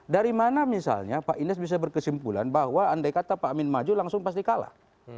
dari mana misalnya pak ines bisa berkesimpulan bahwa andai kata pak amin maju langsung pasti kalah